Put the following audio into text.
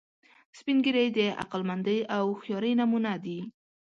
سپین ږیری د عقلمندۍ او هوښیارۍ نمونه دي